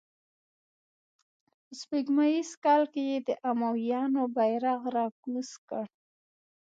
په سپوږمیز کال یې د امویانو بیرغ را کوز کړ.